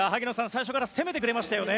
最初から攻めてくれましたね。